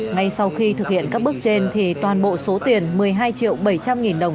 ngay sau khi thực hiện các bước trên thì toàn bộ số tiền một mươi hai triệu bảy trăm linh nghìn đồng